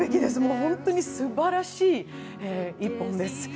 本当にすばらしい一本です。